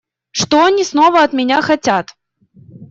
Что они снова от меня хотят?